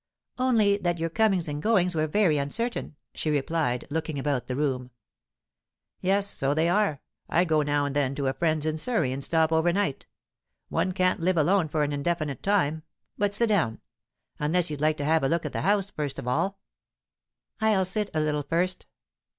"Only that your comings and goings were very uncertain," she replied, looking about the room. "Yes, so they are. I go now and then to a friend's in Surrey and stop overnight. One can't live alone for an indefinite time. But sit down. Unless you'd like to have a look at the house, first of all?" "I'll sit a little first."